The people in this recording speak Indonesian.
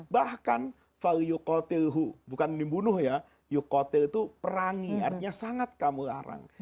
bahkan yukotilhu bukan dibunuh ya yukotil itu perangi artinya sangat kamu larang